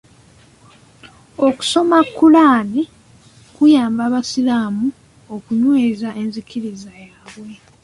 Okusoma Kulaani kuyamba abasiraamu okunyweeza enzikiriza yaabwe.